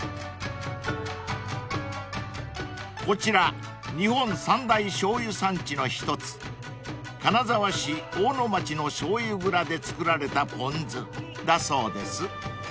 ［こちら日本三大しょうゆ産地の一つ金沢市大野町のしょうゆ蔵で造られたポン酢だそうです］